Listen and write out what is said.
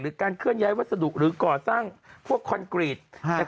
การเคลื่อนย้ายวัสดุหรือก่อสร้างพวกคอนกรีต